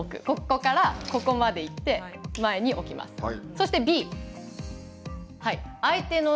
ここからここまで行って前に置きます。